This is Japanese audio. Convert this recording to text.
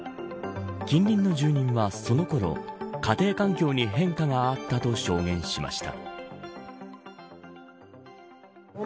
近隣の住人はそのころ家庭環境に変化があったと証言しました。